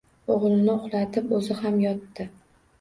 O’g‘lini uxlatib o‘zi ham yotdi.